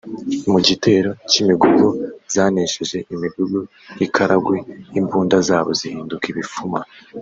Mu gitero cy’imigogo zanesheje Imigogo y’i Karagwe imbunda zabo zihinduka ibifuma